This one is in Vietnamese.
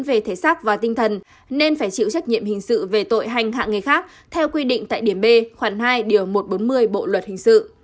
về thể xác và tinh thần nên phải chịu trách nhiệm hình sự về tội hành hạ người khác theo quy định tại điểm b khoảng hai điều một trăm bốn mươi bộ luật hình sự